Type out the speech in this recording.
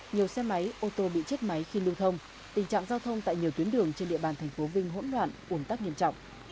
nhiều xe máy ô tô bị chết máy khi lưu thông tình trạng giao thông tại nhiều tuyến đường trên địa bàn tp vinh hỗn loạn ồn tắc nghiêm trọng